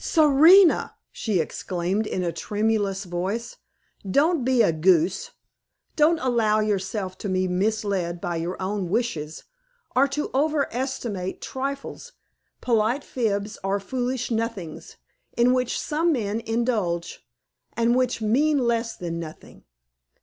"Serena!" she exclaimed in a tremulous voice, "don't be a goose! Don't allow yourself to be misled by your own wishes, or to overestimate trifles, polite fibs or foolish nothings, in which some men indulge, and which mean less than nothing.